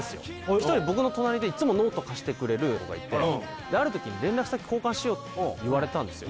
１人僕の隣でいつもノート貸してくれる子がいてある時に「連絡先交換しよう」って言われたんですよ